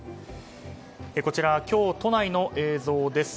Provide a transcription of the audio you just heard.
こちら、今日都内の映像です。